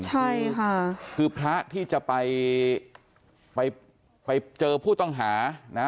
ใช่ค่ะคือพระที่จะไปไปเจอผู้ต้องหานะ